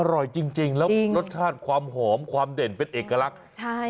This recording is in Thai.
อร่อยจริงจริงแล้วรสชาติความหอมความเด่นเป็นเอกลักษณ์ใช่